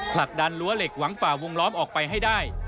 ผลักดันรั้วเหล็กหวังฝ่าวงล้อมออกไปให้ได้